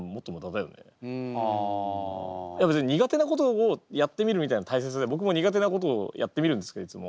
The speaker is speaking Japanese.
いや別に苦手なことをやってみるみたいなのは大切で僕も苦手なことをやってみるんですけどいつも。